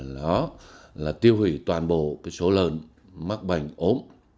đó là tiêu hủy toàn bộ số lợn mắc bệnh ốm